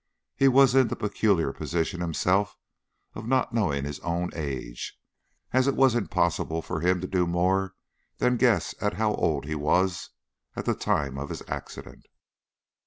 He was in the peculiar position himself of not knowing his own age, as it was impossible for him to do more than guess at how old he was at the time of his accident.